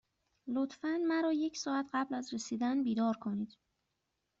لطفا مرا یک ساعت قبل از رسیدن بیدار کنید.